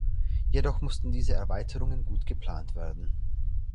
Jedoch mussten diese Erweiterungen gut geplant werden.